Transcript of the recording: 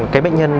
cái bệnh nhân này